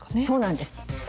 そうなんです。